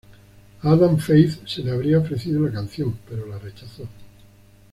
A Adam Faith se le habría ofrecido la canción, pero la rechazó.